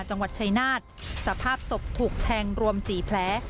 จังหวัดชายนาฏสภาพศพถูกแทงรวม๔แผล